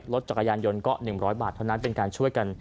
รถจักรยานยนต์ก็๑๐๐บาทเท่านั้นเป็นการช่วยกัน